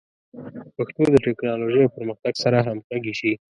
پښتو د ټکنالوژۍ او پرمختګ سره همغږي شي.